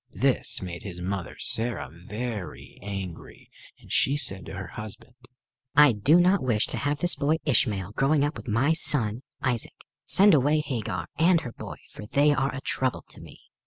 This made his mother Sarah very angry, and she said to her husband: "I do not wish to have this boy Ishmael growing up with my son Isaac. Send away Hagar and her boy, for they are a trouble to me."